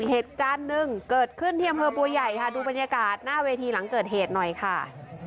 เหตุการณ์หนึ่งเกิดขึ้นที่อำเภอบัวใหญ่ค่ะดูบรรยากาศหน้าเวทีหลังเกิดเหตุหน่อยค่ะ